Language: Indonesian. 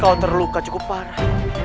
kau terluka cukup parah